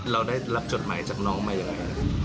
เราได้รับจดหมายจากน้องมายังไง